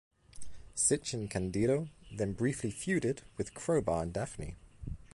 Sytch and Candido then briefly feuded with Crowbar and Daffney.